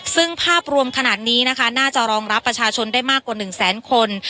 ซึ่งภาพรวมขนาดนี้นะคะน่าจะรองรับประชาชนได้มากกว่า๑แสนคน